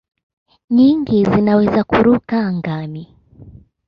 Nyingi zinaweza kuruka angani.